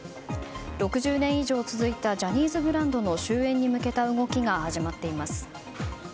６０年以上続いたジャニーズブランドの終焉に向けた動きが始まっています。